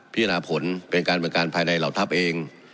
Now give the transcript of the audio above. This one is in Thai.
พิจารณาผลเป็นการบริการภายในเหล่าทัพเอง